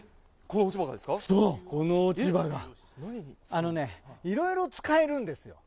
あのね、いろいろ使うんですよ。